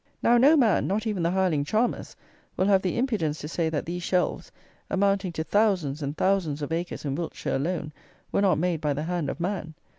Now no man, not even the hireling Chalmers, will have the impudence to say that these shelves, amounting to thousands and thousands of acres in Wiltshire alone, were not made by the hand of man.